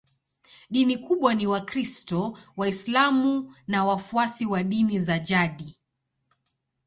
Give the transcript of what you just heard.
Dini kubwa ni Wakristo, Waislamu na wafuasi wa dini za jadi.